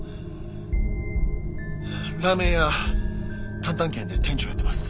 ラーメン屋たんたん軒で店長やってます。